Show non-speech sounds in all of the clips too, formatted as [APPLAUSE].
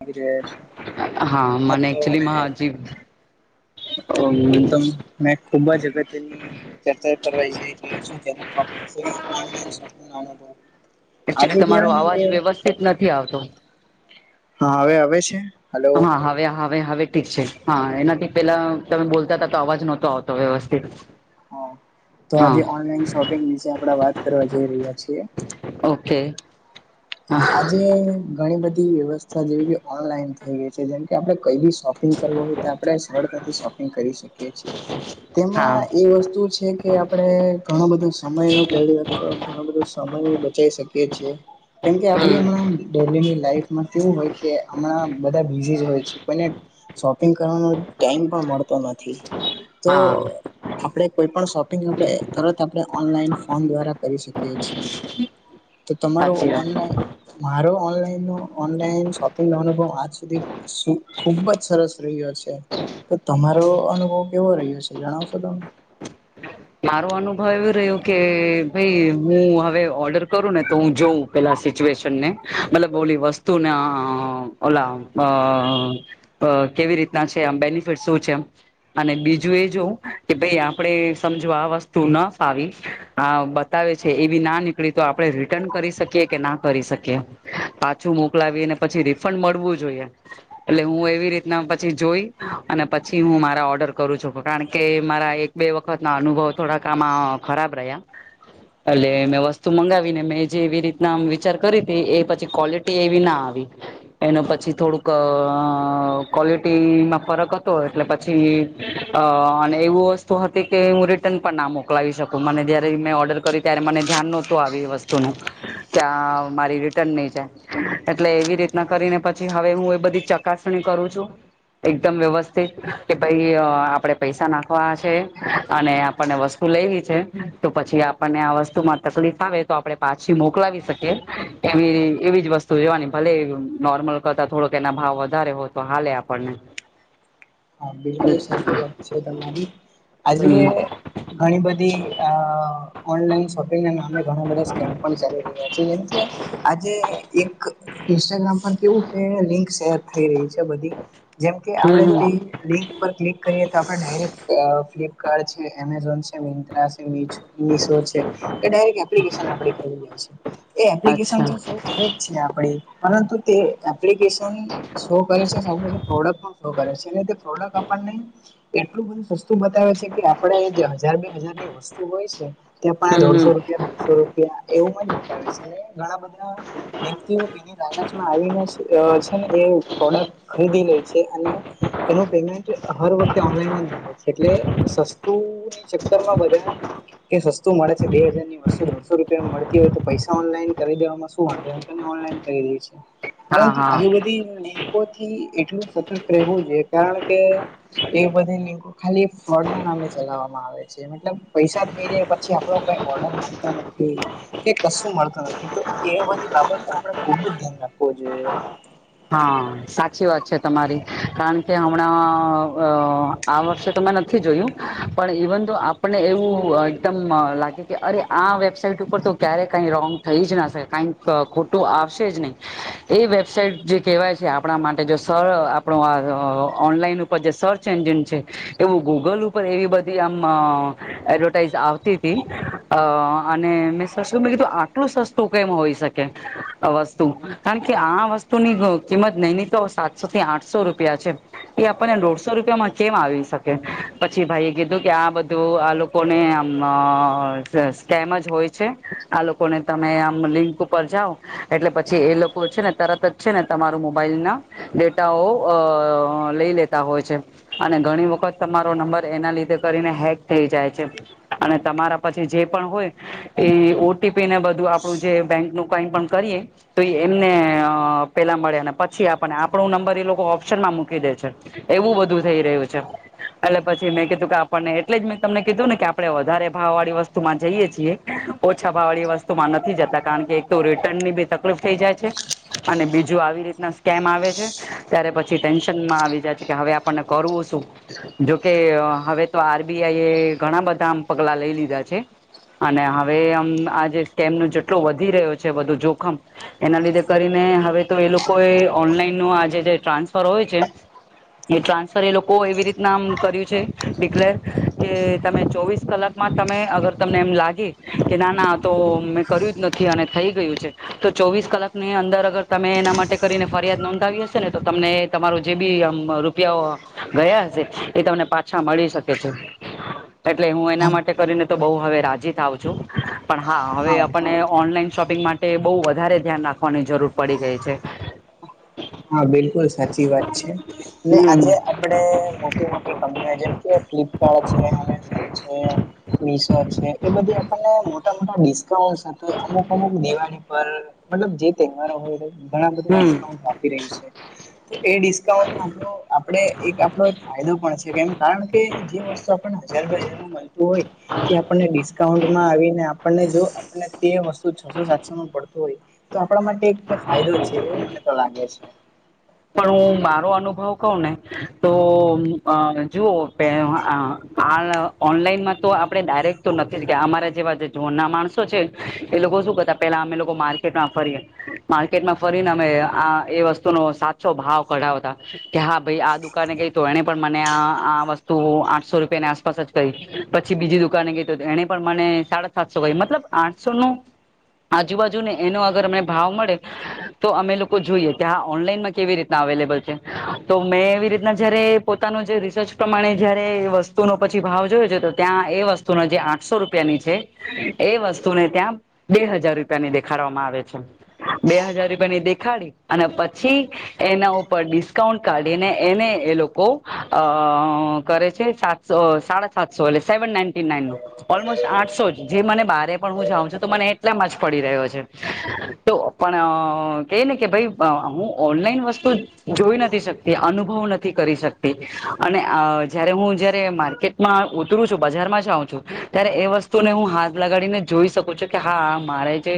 આવી રહ્યા છે હા મને તો એકચુલીમાં મેં અજીબ હમ્મ મેં ખૂબ જ અગત્યની કરવા રહ્યો છ. એચ તમારો અવાજ વ્યવસ્થિત નથી આવતો હા હવે આવે છે. હલો હા હવે હવે હવે ઠીક છે હા એનાથી પેલા તમે બોલતા હતા તો અવાજ નહતો આવતો વ્યવસ્થિત હ તો હા આજે ઓનલાઈન શોપિંગ વિશે આપડા વાત કરવા જઈ રહ્યા છીએ. ઓકે હા આજે ઘણી બધી વ્યવસ્થા જેવી કે ઓનલાઈન થઈ ગઈ છે જેમ કે આપણે કઈ બી શોપિંગ કરવો હોય તો આપણે સરળતાથી શોપિંગ કરી શકીએ છીએ. તેમાં હા એ વસ્તુ છે. એ આપણે ઘણો બધો સમય નો કે તો ઘણો બધો સમય બચાવ શકીએ છીએ. કેમ કે આપડી હમણાં ડેની લાઈમાંવું હોય કે હમણાં બધા બઝ હોય છે. શોપિંગ કરવાનો ટાઈમ પણ મળતો નથી તો હા આપણે કોઈ પણ શોપિંગ આપણે તરત આપણે ઓનલાઈન ફોન દ્વારા કરી શકીએ છીએ. તો તમારો સાચી વાત મારો શોપિંગ નો અનુભવજધી ખુબ જ સરસ રહ્યો છે. તો તમારો અનુભવ કેવો રહ્યો છે જણાવશો તમે? મારો અનુભવ એવું રહ્યો કે ભાઈ હું હવે ઓર્ડર કરું ને તો હું જોઉં. પેલા સિચ્યુએશન ને, મતલબ બોલી વસ્તુને ઓલા અ અ કેવી રીતના છે, આમ બેનિફિટ શું છે. એમ અને બીજું એ જોવું, કે ભાઈ આપડે સમજો આ વસ્તુ ન ફાવી, આ બતાવે છે એ બી ના નીકળી તો આપડણે રિટર્ન કરી શકીએ કે ના કરી શકીએ, પાછું મોકલાવીને પછી રિફંડ મળવું જોઈએ. એટલે હું એવી રીતના પછી જોઈ અને પછી હું મારા ઓર્ડર કરું છું કારણ કે મારા એક બે વ વખત ના અનુભવ થોડાક આમાં ખરાબ રહ્યા. એટલે મેં વસ્તુ મંગાવીને મેં જે એવી રીતના વિચાર કરી હતી એ પછી ક્વોલિ તેવી ના આવી. એનો પછી થોડુંક ક્વલિટીમાં ફરક હતો એટલે પ પી અ અને એવું વસ્તુ કે હું રિટર્ન પણ ના મોકલાવી શકું મને જયારે મેં ઓર્ડર કર્યું ત્યારે મને ધ્યાન નહોતું આવે એ વસ્તુ ન. ત્યાં મારી રિટર્ન નહી જાય. એટલે એવી રીતના કરીને પછી હવે હું એ બધી ચકાસણી કરું છું. એકદમ વ્યવસ્થિત, કે ભાઈ આપડે પૈસા નાખવા છે. અને આપણને વસ્તુ લેવી છે, તો પછી આપણને આ વસ્તુ માં તકલીફ આવે. આપણે પાછી મોકલાવી શકીએ, એવી એવી જ વસ્તુ જોવાની ભલે નોર્મલ કરતા થોડોક એના ભાવ વધારે હોય તો હાલે આપણને. હા બિલકુલ સાચી વાત છે તમારી, આજે હમ ઘણી બધી ઓનલાઈન શોપિંગ ના નામે ઘણા બધાકીમ પણ ચાલી રહ્યા છે જેમ. આજે એક ઇન્સ્ટાગ્રામ પર કેવું કે લિંક શેર થઈ રહી છે બધી. જેમ કે હમ આપડે હમ તે લિંક પર ક્લિક કરીએ તો આપણે ડાયરેક્ટ ફ્લિપકાર્ટ છે એમેઝોન છે મિંત્રા છે મીચો. મશો છે, એ ડાયરેક્ટ એપ્લિકેશન આપ ખોલીએ છી. એ એપ્લિકેશન અચ્છા તો શૌ કરે જ છે આપણે. પરંતુ તે એપ્લિકેશન શો કરે છે, સાથે સાથે પ્રોડક્ટ પણ શો કરે છે. પ્રોડક્ટ આપણને એટલું બધું સસ્તું બતાવે છે કે આપડે હજાર બે હજાર ની વસ્ તું હોય છે ત્યાં પણ આ હમ હમ દોઢસો કે બોસો રૂપિયા એવું મ જ બતાવે છે ને ઘણા બધા વ્યક્તિઓ એની લાલચમાં આવીને અહ છેને એ પ્રોડક્ટ ખરીદી લે છે અને એનું પેમેન્ટ હર વખતે ઓનલાઈન અજ આવે છે એટલે સસ્તુંની ચક્કરમાં બધા કે સસ્તું મળે છે, બે હજાર ની બસો દોઢસો રૂપિયા મળતી હોય તો પૈસા ઓનલાઈન કરી દેવાવામાં શું વાંધો એમને ઓનલાઈન કરી દે છે. હા પરંતુ હા આવી બધી લિંકકો થી એટલું સતર્ક રહેવું જોઈએ કારણ કે એ બધી લિંકો ખાલી ફ્રોડ ના નામે ચલાવવામાં આવે છે. કે મતલબ પૈસા થઈ જાય પછી આપડો કઈ ઓર્ડર મળતા નથી. કે કશું મળતું નથી તો એ બધી બાબત નો આપડે ખુબ જ ધ્યાન રાખવું જોઈએ. હા, સાચી વાત છે તમારી કારણ કે હમણાં અહ આ વર્ષે તોં મેં નથી જોયું પણ ઇવન દો આપણને એવું અહ એકદમ અહ લાગે કે અરે આ વેબસાાઈટ ઉપર તો ક્યારે કઈ રોંગ થઈ જ ના શકાએ કઈ તો ખોટું આવશે જ નહી એ વેબસાઇટ જે કેહેવાય છે આપણા માટે જો સ અહ સર આપણો આ ઓનલાઈન ઉપર જે સર્ચ એન્જિન છે એવું ગૂગલ ઉપર એવી બધી આમ અહ એડવર્ટાઈઝ આવતી તી અહ અને મેં શશું મેં કીધું આટલું સસ્તું કેમ હોય શકે આ વસ્તુ કારણ કે આ વસ્તુ ની કિંમત નહી ની તો સાતસો થી આઠસો રૂપિયા છે. એ આપણને દોઢસો રૂપિયામાં કેમ આવી શકે પછી ભાઈ એ કીધું કે આ બધું આ ને આમ સ્કેમ જ હોય છે, આ લોકોને તમે આમ લિંક ઉપર જાઓ એટલે પછી એ લોકો છે ને તરત જ છે ને તમારું મોબાઈલ ના ડેટાઓ અ લઈ લેતા હોય છે. અને ઘણી વખત તમારો નંબર એના લીધે કરીને હેક થઈ જાય છે. અને તમારા પછી જે પણ હોય? એ ઓટીપી ને બધું આપડું જે બેંક નું કઈમ પણ કરીએ તો એ એમને પેલા મળે અને પછી આપણને આપણું નંબર એ લોકો ઓપ્શન માં મૂકી દે છે. એવું બધું થઈ રહ્યું છે. એટલે પછી મેં કીધું કે આપણને એટલે જ મેં તમને કીધું ને કે આપડણે વધારે ભાવ વાળી વસ્તુ માં જઈએ છીએ. ઓછા ભવાળી વસ્તુમાં નથી જતા કારણ કે એક તો રિટર્ન ની બી તકલીફ થઈ જાય છે. અને બીજું જો આવી રીતના સ્કેમ આવે છે ત્યારે પછી ટેન્શનમાં આવી જાય છે કે હવે આપણને કરવું શું? જોકે હવે તો આરબીઆઈ એ ઘણા બધા આમ પગલા લઈ લીધા છે. અને હવે આમ આ જે સ્કેમ ન જેટલો વધી રહ્યો છે બુ જોખમ- એના લીધે કરીને હવે તો એ લોકો એ ઓનલાઈન ન આજે જે ટ્રાન્સફર હોય છે. એ ટ્રાન્સફર એ લોકો એવી રીતના આમ કર્યું છે ડિક્લેર કે તમે ચોવીસ કલાક માં તમે અગર તમને એમ લાગી કે ના ના તો મેં કર્યું જ નથી અને થઈ ગયું છે. તો ચોવીસ કલાક ની અંદર તમે એના માટે કરીને ફરિયાદ નોંધાવી હશે ને તો તમને તમારું જે બી આમ રૂપિયા ગયા હશે એ તમને પાછા મળી શકે છે. એટલે હું એના માટે કરીને તો બહ હવે રાજી થ આવું છું. પણ હા હવે આપને ઓનલાઈન શોપિંગ માટે બહુ વધારે ધ્યાન રાખવાની જરૂર પડી ગઈ છે. હા બિલકુલ સાચી વાત છે. હમ આજે આપણે મોટી મોટી કંપનીઓ જેમ કે ફ્લિપકાર્ટ છે. એ બધી આપને મોટા મોટા અમુક અમુક દિવાળી પર મતલબ જે તહેવારો હોય ઘણા બધા હમ ડિસ્કાઉ- આપી રહી છે. તો એ ડિસ્કાઉન્ટ આપ આપણે એક આપડો એક ફાયદો પણ છે કેમ કારણ કે જે વસ્તુ પણ હજાર બે હજારું મળતું હોય [UNINTELLIGIBLE] તે આપણને ડિસ્કાઉન્ટમાં આવીને આપણને જો આપણને તે વસ્તુ છસો સાતસોમાં પડતું હોય? તો આપણા માટે એક ફાયદો છે એવું મને તો લાગે છે. પણ હું મારો અનુભવ કઉ ને તો જુઓ કે હ ઓનલાઈનમાં તો આપડણે ડાયરેક્ટ નથી જ કે અમારા જેવા જોન ના માણસો છે એ લોકો શું કરતા પેલા અમે લોકો માર્કેટમાં ફરીએ માર્કેટ માં ફરીને અમે આ એ વસ્તુ નો ો ભાવ કઢાવતા કે હા ભાઈ આ દુકાને ગઈ તો એને પણ મને આ વસ્તુ આઠસો રૂપિયાની આસપાસ જ કઈ પછી બીજી દુકાને ગઈ તો એને પણ મને સાડા સાતસો કઈ મતલબ આઠસો નું- આજુબાજુ ને એનો અગર અમને ભાવ મળે તો અમે લોકો જોઈએ ત્યાં ઓનલાઈનમાં કેવી રીતના અવેલેબલ છે તો મેં એવી રીતના જયારે પોતાનું જે રિસર્ચ પ્રમાણે જયારે વસ્તુ- વસ્તુ નો પછી ભાવ જોય છે તો ત્યાં એ વસ્તુનો જે આઠસો રૂપિયાની છે. એ વસ્તુને ત્યાં બે હજાર રૂપિયા ની દેખાવામાં આવે છે. બે હાજાર રૂપિયા ની દેખાડી અને પછી- એના ઉપર ડિસ્કાઉન્ટ કાઢીને એને એ લોકો અ કરે છે. સાથે સાડા સાતસો સેવન નાઇન્ટ નાઇન- ઓલમોસ્ટ આઠસો જ જે મને બારે પણ હું જાઉં છું તો મને એટલામાં જ પડી રહ્યો છે. તો પણ કે ને કે ભાઈ હું ઓનલાઈન વસ્તુ જોઈ નથી શકતી અનુભવ નથી કરી શકતી અને જયારે હું જયારે માર્કેટ ઉતરું છું બજારમાં જ આવઉ છું ત્યારે એ વસ્તુ ને હું હાથ લગાડીને જોઈ શકું છું. કે હા મારે છે.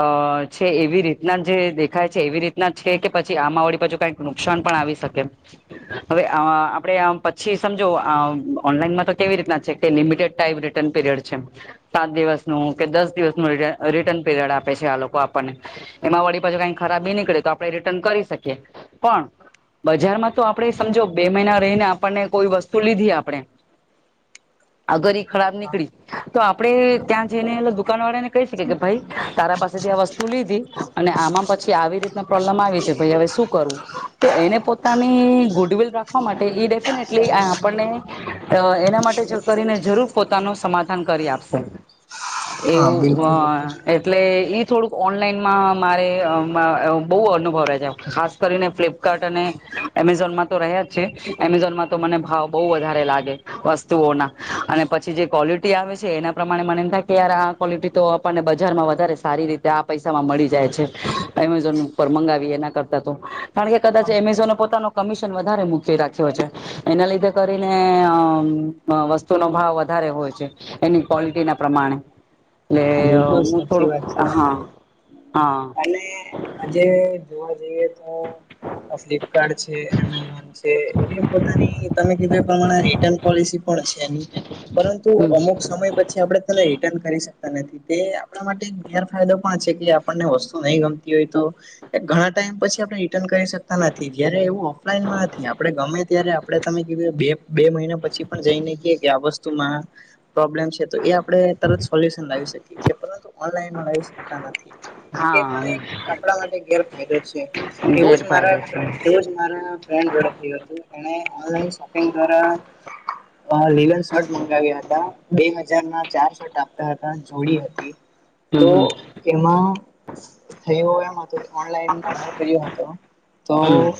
અ છે એવી રીતના જે દેખાય છે એવી રીતના છે. કે પછી આમાં વળી પછ કઈક નુકસાન પણ આવી શકેમ હવે આપડે પછી સમજો ઓનલાઈનમાં તો કેવી રીતના છે લિમિટેડ ટાઈમ રિટર્ન પીરિડ છે સાત દિવસનું કે દસ દિવસનું રિટર્ન પીરિયડ આપે છે આ લોકો આપણને એમાં વળી પાછ કઈક ખરાબી નીકળે તો આપણે રિટર્ન કરી શકીએ પણ બજારમાં તો આપણે સમજો બે મહિના રહીને આપણને કોઈ વસ્તુ તો લીધી આપણે આગર એ ખરાબ નીકળી તો આપડે ત્યાં જઈને એ દુકાન વાળા ને કહી શકીએ કે ભાઈ તારા પાસેથી આ વસ્તુ લીધી અને આમાં પછી આવી રીતના પ્રોબ્લમ આવી છે ભાઈ હવે શું કરવું તો એને પોતાની ગુડવિલ રાખવા માટે ડેફિનેટલી આપણને એના માટે કરીને જરૂર પોતાનું સમાધાન કરી આપશે હા એવું બિલકુલ. હ એટલે ઈ થોડુંક ઓનલાઈન માં મારે બહુ અનુભવ રહે છે ખાસ કરીને ફ્લિપકાર્ટ અને એમેઝોનમાં તો રહ્યા જ છે એમેઝોનમાં તો મને ભાવ બહુ વધારે લાગે વસ્તુઓના અને પછી જે ક્વોલિટી આવે છે એના પ્રમાણે મને એમ થાય કે યાર આ કવોલિટી તો આપણને બજારમાં વધારે સારી રીતે આ પૈસામાં મળી જાય છે એમેઝોન ઉપર મંગાવીએ એના કરતાં કારણ કે કદાચ એમેઝોને પોતાનો કમિશન વધારે મૂકી રાખ્યો છે એના લીધે કરીને અ વસ્તુનોો ભાવ વધારે હોય છે એની ક્વોલિટી ના પ્રમાણે એલે બિલકુલ હું સાચી થોડું વાત છે હા તમારી. હા જે જોવા જઈએ ફ્લિપકાર્ટ છે એમેઝોન છે એ પોતાની તમે કીધ મા રિટર્ન પોલિસી પણ છે પરંતુ હમ અમુક સમય પછી આપણે તને રિટર્ન કરી શકીએ નથી તે આપણા માટે ગેરફાયદો પણ છે કે આપણને વસ્તુ નહીં ગમતી હોય તો ઘણા ટાઈમ પછી આપણે રિટર્ન કરી શકતા નથી જયારે એવું ઓફલાઈનમાં નથી આપડે ગમે ત્યારે આપણે તમે કીધું બે બે મહિના પછી પણ જઈનેકીએ કે આ વસ્તુમાં પ્રોબ્લેમ છે તો એ આપડણે તરત સો લાવી શકીી પરંતુ ઓનલાઈનમાં લાવી શકતા નથી એ હા પણ એક આપણા માટે ગેરફાયદો છે એવું જ મારા ગેરફાયદો છે એવું ફન્ જોડે થયું હતું એ ઓનલાન શોપિંગ દ્વારા અ લીલન શર્ટ મંગાવ્યા હતા બે હજાર ના ચાર શર્ટ આપ હતા જોડી હતી તો હમ હમ એમાં થયું એમ હતું ઓનલાઈન ઓર્ડર કર્યું હતો તો હમ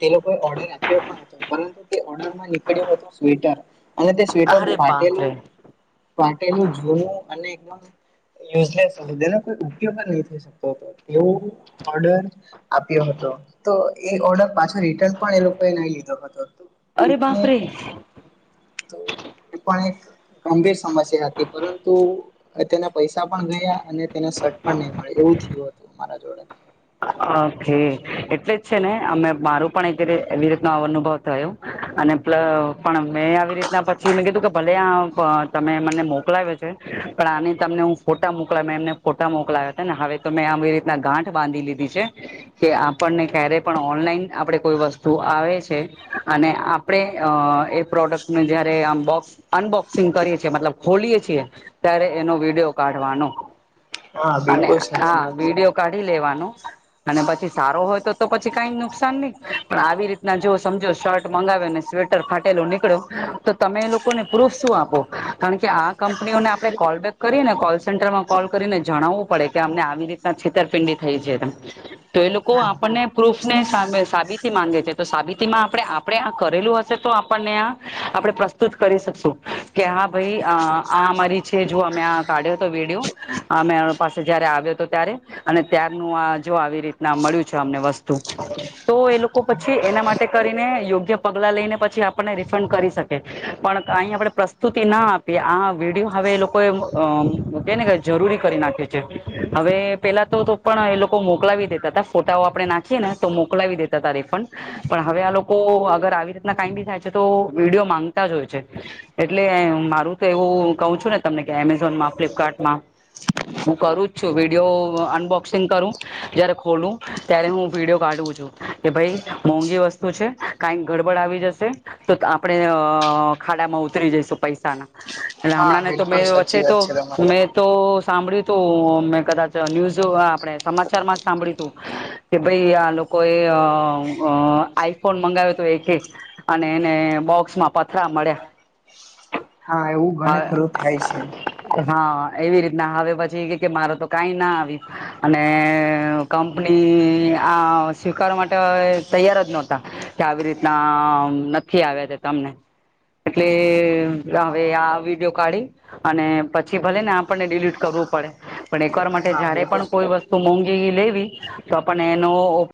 તે લોકોએ ઓર્ડર આપ્યો પણ હતો પરંતુ તે ઓર્ડરમાં નીકળ્યું હતું સ્વેટર અને તે સ્વેટર અરે ફાટેલું બાપરે પાટેલું જૂનું અને એકદમ યુઝલેસધે નહી થઈ શકતો હતો એવો ઓર્ડર આપ્યો હતો તો એ ઓર્ડર પાછો રિટર્ન પણ એ લોકોએ નહી લીધો હતો એ અરે પણ બાપરે તો એ પણ એક ગંભીર સમસ્યા હતી પરંતુ તેના પૈસા પણ ગયા અને તેને સટ પણ નહી મળે એવું થયું હતું મારા જોડે ઓકે એટલે જ છે ને અમે મારું પણ એકીતે એવી રીતનો અ અનુભવ થયો અને પલ પણ મેં આવી રીતના પછી મેં કીધું કે ભલે આ તમે મને મોકલાવ્યો છે પણ આને તમને હું ફોટા મોકલા મેં એમને ફોટા મોકલા્યા હતા ને હવે તો મેં આવી રીતના ગાંઠ બાંધી લીધી કે આપણને ક્યારે પણ ઓનલાઈન આપણેે કોઈ વસ્તુ આવે છે અને આપડે એ પ્રોડક્ટ નું જયારે આમ બોક્સ અનબોક્સિંગ કરીએ છીએ મતલબ ખોલીએ છીએ ત્યારે એનો વિડિયો કાઢવાનો હા અને બિલકુલ હા સાચી વાત છે વિડીિયો કાઢી લેવાનું અને પછી સારો હોય તો તો પછી કઈ નુકસાન નહી પણ આવી રીતે ના જો સમજો શર્ટ મંગાવ્યોને સ્વેટર ખાટેલો નીકળ્યો તો તમે એ લોકોને પ્રૂફ શું આપો કારણ કે આ કંપનીઓને આપણે કોલ બેેક કરીને કોલ સેન્ટરમાં કોલ કરીને જણાવવું પડે કે અમને આવી રીતે છેતરપિંડી થઈ છે તો એ લોકો હા આપણને પ્રૂફ ને સાબિતી માંગે છે તો સાબિતી માં આપડે આપને આ કરેલું હશે તો આપણને આ આપડે પ્ર જ કરી શકશું કે હા ભાઈ આ અમારી છે જો અમે આ કાઢ્યો તો વેડિયો અ મે પાસે જયારે આવ્યો હતો ત્યારે અને ત્યારનું આ જો આવી રીતના મળ્યું છે અમને વસ્તુ તો એ લોકો પછી એના માટે કરીને યોગ્ય પગલાં લઈને પછી આપણને રિફંડ કરી શક કે પણ અહી આપણેે પ્રસ્તુતિ ના આપીએ આ વિડીયો હવે એ લોકોએ અ મૂકેને જરૂરી કરી નાખે છે હવે પેલા તો પણ એ લોકો તો મોકલાવી દેતા હતા ફોટાઓ આપણે નાખીએ ને તો મોકલાવી દેતા હતા રિફંડ પણ હવે આ લોકો અગર આવી રીતના કઈ બી થાય છે તો વિડીયો માંગતા જ હોય છે એટલે મારું તો એવું કઉ છું ને તમને કે એમેઝોનમાં ફ્લિપકાર્ટમાં હું કરું જ છું વિડીયો અનબોક્સિંગ કરું જયારે ખોલું ત્યારે હું વિડીયો કાઢું છું કે ભાઈ મોંઘી વસ્તુ છે કઈ ગડબડ આવી જશે તો આપડે ખાડામાં ઉતરી જઈશું પૈસા ના હા હમણા ને તો બિલકુલ મેં સાચી વચે તો વાત છે તમારી મેં તો સાંભળ્યું તું મેં કદાચ ન્યુઝ આપડે સમાચારમાં સાંભળ્યું તું કે ભાઈ આ લોકો એ આઈ ફોન મંગાવ્યો તો એક એક અને એને બોક્સ માં પથરા મળ્યા હા એવું ઘણે ખરું થાય છે હા એવી રીતના હવે પછી કે મારે તો કઈ ના આવી અને કંપની આ સ્વીકારવા માટે તૈયાર જ નતા કે આવી રીતના નથી આવ્યા તે તમને એટલે રા પહી આ વિડીયો કાઢી અને પછી ભલે ને આપને ડિલીટ કરવું પડે પણ એક વાર મા હા જયારે બિલકુલ પણ કોઈ વસ્તુ મોંઘી લેવી તો પણ એનો